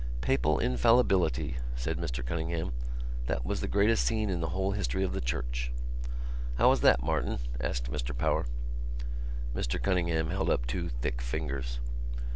"Papal infallibility," said Mr Cunningham, "that was the greatest scene in the whole history of the Church." "How was that, Martin?" asked Mr Power. Mr Cunningham held up two thick fingers.